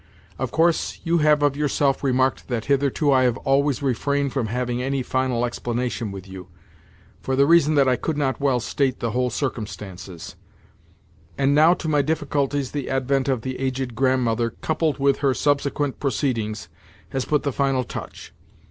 Of course, you have of yourself remarked that hitherto I have always refrained from having any final explanation with you, for the reason that I could not well state the whole circumstances; and now to my difficulties the advent of the aged Grandmother, coupled with her subsequent proceedings, has put the final touch.